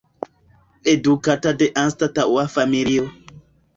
Edukata de anstataŭa familio.